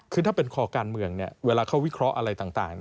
คือถ้าเป็นคอการเมืองเวลาเขาวิเคราะห์อะไรต่าง